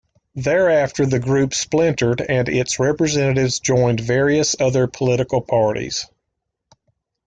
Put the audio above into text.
Thereafter the group splintered and its representatives joined various other political parties.